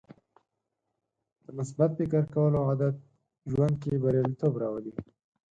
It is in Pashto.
د مثبت فکر کولو عادت ژوند کې بریالیتوب راولي.